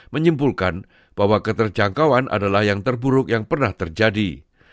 menyimpulkan bahwa keterjangkauan adalah yang terburuk yang pernah terjadi